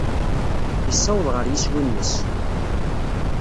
Yessaweḍ ɣer yeswi-nnes.